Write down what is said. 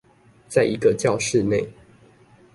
在一個教室內